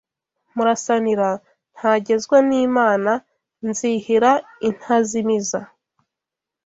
Murasanira ntagezwa Nimana Nzihira i Ntazimiza